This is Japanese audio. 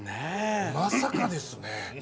まさかですね。